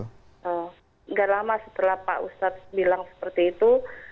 tidak lama setelah pak ustadz bilang seperti itu